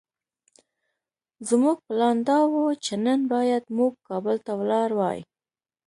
زموږ پلان دا وو چې نن بايد موږ کابل ته ولاړ وای.